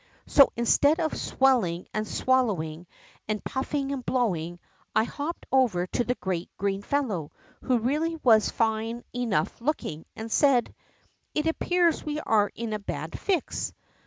So instead of swelling and swallowing, and puffing and blowing, I hoj)ped over to the great green fellow, who really was fine enough looking, and said: ^ It appears we are in a bad fix.